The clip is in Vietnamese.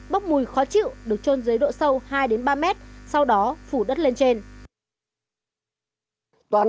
bốc mùi khó chịu được trôn dưới độ sâu hai ba mét sau đó phủ đất lên trên